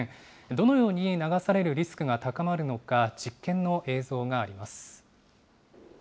どのように流されるリスクが高まるのか、実験の映像があります。